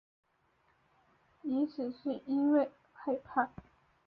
也许是因为害怕